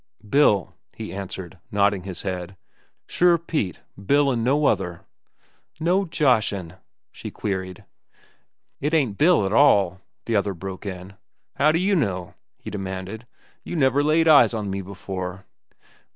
"Bill," he answered, nodding his head. "Sure, Pete, Bill an' no other." "No joshin'?" she queried. "It ain't Bill at all," the other broke in. "How do you know?" he demanded. "You never laid eyes on me before."